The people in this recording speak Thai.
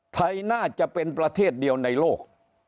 ไทยน่าจะเป็นประเทศเดียวในโลก